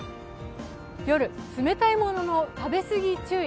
夜、冷たいものの食べ過ぎ注意。